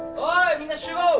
みんな集合。